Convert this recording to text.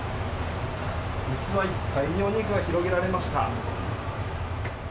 器いっぱいにお肉が広げられました。